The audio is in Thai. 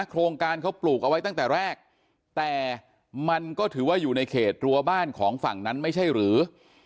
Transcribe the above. โครงการเขาปลูกเอาไว้ตั้งแต่แรกแต่มันก็ถือว่าอยู่ในเขตรัวบ้านของฝั่งนั้นไม่ใช่หรือ